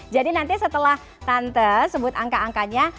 jadi nanti setelah tante sebut angka angkanya